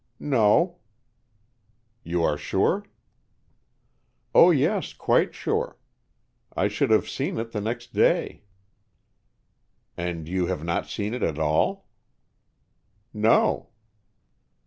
"No." "You are sure?" "Oh, yes, quite sure. I should have seen it the next day." "And you have not seen it at all?" "No."